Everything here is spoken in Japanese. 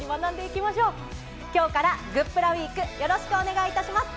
きょうからグップラウィーク、よろしくお願いします。